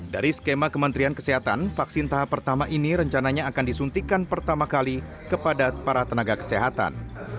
dari skema kementerian kesehatan vaksin tahap pertama ini rencananya akan disuntikan pertama kali kepada para tenaga kesehatan